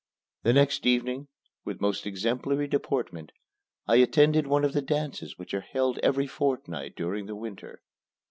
The next evening, with most exemplary deportment, I attended one of the dances which are held every fortnight during the winter.